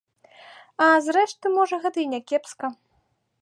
А, зрэшты, можа, гэта і някепска.